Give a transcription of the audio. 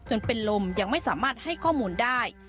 จนเป็นลมยังไม่สามารถให้ข้อมูลได้